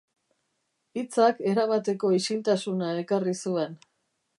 Hitzak erabateko isiltasuna ekarri zuen.